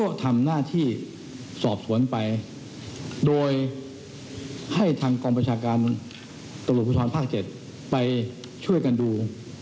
ก็ทำหน้าที่สอบสวนไปโดยให้ทางกองประชาการตำรวจภูทรภาค๗ไปช่วยกันดู